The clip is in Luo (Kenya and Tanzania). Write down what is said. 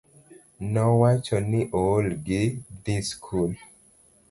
Nowacho ni ool gi dhi skul